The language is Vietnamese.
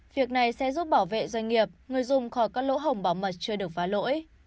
việc này sẽ giúp bảo vệ doanh nghiệp người dùng khỏi các lỗ hồng bảo mật chưa được phá lỗi